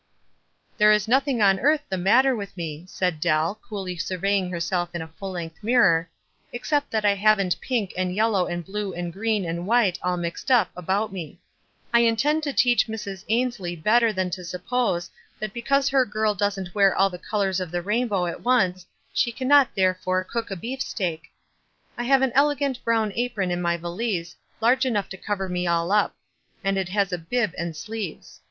"There is nothing on earth the matter with me," said Dell, coolly surveying herself in a full length mirror, "except that I haven't pink, and yellow, and blue, and green, and white s all mixed up, about me. I intend to teach Mrs. Ainslie better than to suppose that because her girl doesn't wear all the colors of the rainbow at once, she cannot, therefore, cook a beefsteak. 288 WISE AND OTHERWISE. I have an elegant brown apron in my valise, large enough to cover me all up ; and it has a bib aud sleeves.